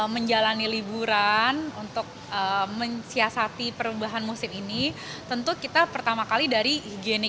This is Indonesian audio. menjalani liburan untuk mensiasati perubahan musim ini tentu kita pertama kali dari higiene